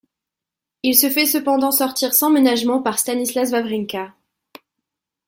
Il se fait cependant sortir sans ménagement par Stanislas Wawrinka.